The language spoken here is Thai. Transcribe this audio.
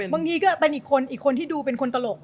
บางทีก็อาจเป็นอีกคนที่ดูเป็นคนตลก